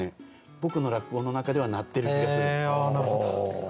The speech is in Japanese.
僕の落語の中では鳴ってる気がするんですよ。